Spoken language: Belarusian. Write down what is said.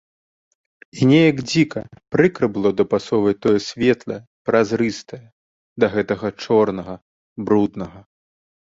І неяк дзіка, прыкра было дапасоўваць тое светлае, празрыстае да гэтага чорнага, бруднага.